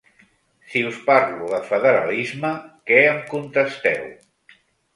Si us parlo de federalisme, què em contesteu?